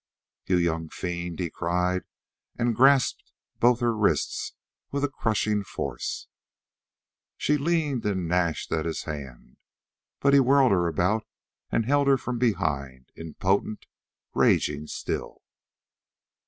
"You young fiend!" he cried, and grasped both her wrists with a crushing force. She leaned and gnashed at his hands, but he whirled her about and held her from behind, impotent, raging still.